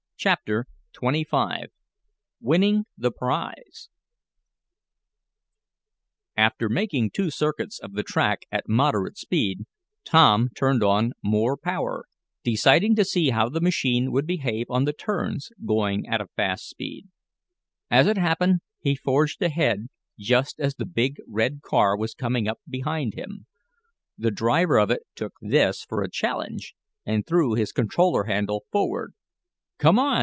CHAPTER XXV WINNING THE PRIZE After making two circuits of the track at moderate speed, Tom turned on more power, deciding to see how the machine would behave on the turns, going at a fast speed. As it happened he forged ahead just as the big red car was coming up behind him. The driver of it took this for a challenge and threw his controller handle forward. "Come on!"